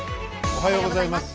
おはようございます。